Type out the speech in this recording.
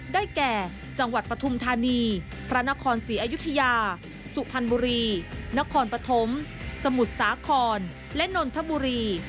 ได้แก่จังหวัดปฐุมธานีพระนครศรีอยุธยาสุพรรณบุรีนครปฐมสมุทรสาครและนนทบุรี